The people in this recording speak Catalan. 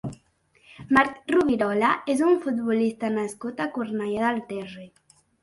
Marc Rovirola és un futbolista nascut a Cornellà del Terri.